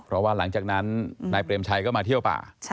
เพราะว่าหลังจากนั้นนายเปรมชัยก็มาเที่ยวป่า